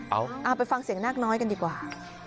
เอาไปฟังเสียงนาคน้อยกันดีกว่า